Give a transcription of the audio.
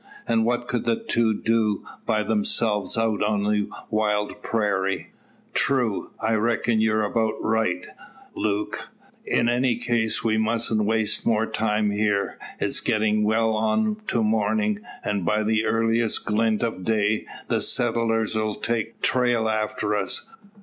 And what could the two do by themselves out on the wild prairie?" "True; I reckon you're about right, Luke. In any case we musn't waste more time here. It's getting well on to morning and by the earliest glint of day the settlers 'll take trail after us.